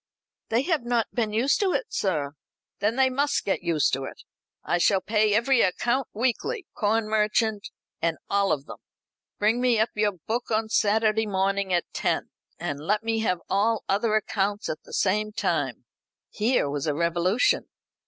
"They have not been used to it, sir." "Then they must get used to it. I shall pay every account weekly corn merchant, and all of them. Bring me up your book on Saturday morning at ten, and let me have all other accounts at the same time." Here was a revolution.